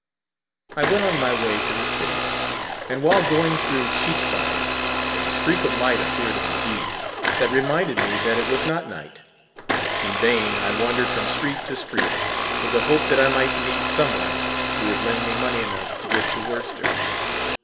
I went on my way to the city, and while going through Cheapside, a streak of light appeared in the east that reminded me that it was not night. In vain I wandered from street to street, with the hope that I might meet some one who would lend me money enough to get to Worcester.